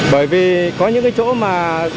bởi vì có những cái chỗ mà